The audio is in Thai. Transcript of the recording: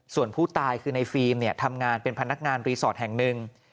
ส่วนผู้ตายคือในฟิล์มเนี่ยทำงานเป็นพนักงานรีสอร์ทแห่งหนึ่ง